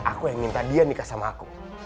aku yang minta dia nikah sama aku